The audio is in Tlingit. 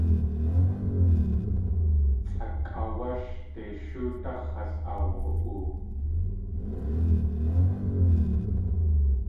Tsʼakʼáawásh Deishúdáx̲ has aawa.oo.